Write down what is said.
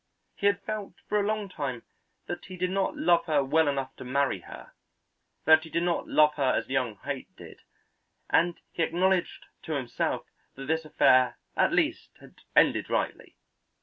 He had felt for a long time that he did not love her well enough to marry her; that he did not love her as young Haight did, and he acknowledged to himself that this affair at least had ended rightly.